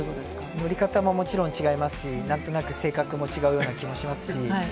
乗り方ももちろん違いますし、なんとなく性格も違うような気もしますし。